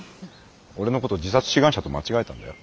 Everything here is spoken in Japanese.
俺のこと自殺志願者と間違えたんだよ。